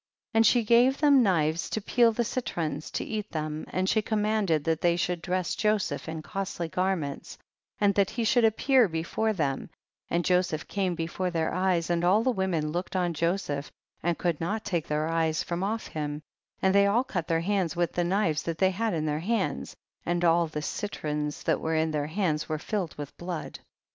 29. And she gave them knives to peel the citrons to eat them, and she commanded that they should dress Joseph in costly garments, and that he should appear before them, and Joseph came before their eyes and all the women looked on Joseph, and could not take their eyes from off him, and they all cut their hands with the knives that they had in their hands, and all the citrons that were in their hands were filled with blood.